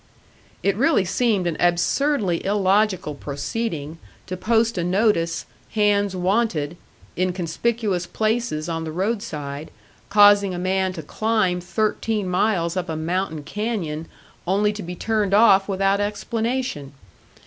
It really seemed an absurdly illogical proceeding, to post a notice, "Hands Wanted," in conspicuous places on the roadside, causing a man to climb thirteen miles up a mountain canyon, only to be turned off without explanation.